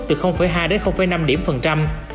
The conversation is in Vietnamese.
từ hai đến năm điểm phần trăm